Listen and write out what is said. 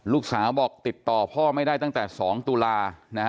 ลูกสาวบอกติดต่อพ่อไม่ได้ตั้งแต่๒ตุลา